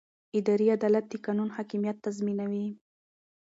اداري عدالت د قانون حاکمیت تضمینوي.